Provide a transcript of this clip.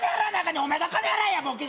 お前が金払えやボケが！